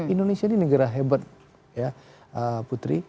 indonesia ini negara hebat ya putri